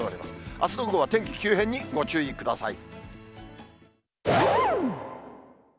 あすの午後は天気急変にご注意ください。